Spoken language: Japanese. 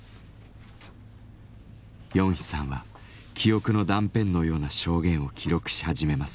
ヨンヒさんは記憶の断片のような証言を記録し始めます。